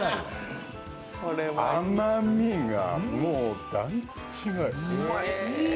甘みがもう段違い。